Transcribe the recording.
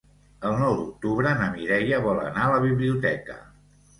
El nou d'octubre na Mireia vol anar a la biblioteca.